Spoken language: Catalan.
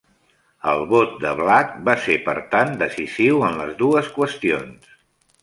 El vot de Black va ser, per tant, decisiu en les dues qüestions.